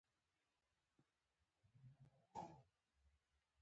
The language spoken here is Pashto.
ماشوم غلی شو او خوشحاله شو.